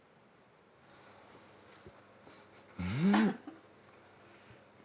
うん。